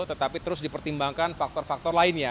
tetapi terus dipertimbangkan faktor faktor lainnya